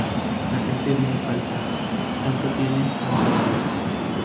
La gente es muy falsa. Tanto tienes, tanto vales.